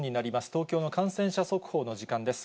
東京の感染者速報の時間です。